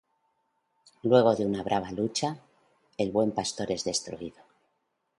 Luego de una brava lucha, el buen pastor es destruido.